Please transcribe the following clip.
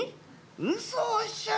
うそおっしゃい！